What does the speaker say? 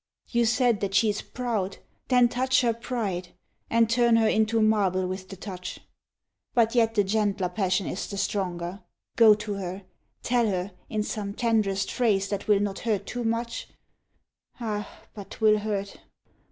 You said that she is proud; then touch her pride, And turn her into marble with the touch. But yet the gentler passion is the stronger. Go to her, tell her, in some tenderest phrase That will not hurt too much ah, but 'twill hurt!